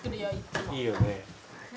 いいよね。